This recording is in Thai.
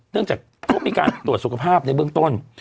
เนื่องจากเขามีการตรวจสุขภาพในเบื้องต้น